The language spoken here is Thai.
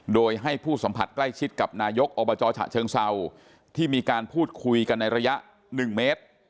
โดยให้ผู้สัมผัสใกล้ชิดกับนายกอบจฉะเชิงเศร้าที่มีการพูดคุยกันในระยะ๑เมตร